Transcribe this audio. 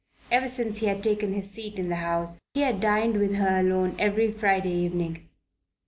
Ever since he had taken his seat in the House he had dined with her alone every Friday evening.